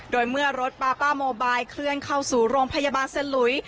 โดยเมื่อรถปาป้าโมบายเคลื่อนเข้าสู่โรงพยาบาลสลุย